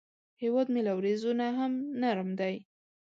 هیواد مې له وریځو نه هم نرم دی